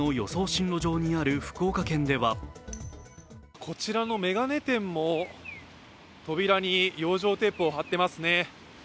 進路上にある福岡県ではこちらの眼鏡店も扉に養生テープを貼ってますね。